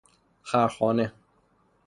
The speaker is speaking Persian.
خرخانه